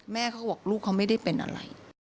แม่เขาก็บอกลูกเขาไม่ได้เป็นอะไร